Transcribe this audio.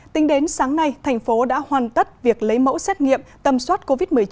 tính đến sáng nay thành phố đã hoàn tất việc lấy mẫu xét nghiệm tầm soát covid một mươi chín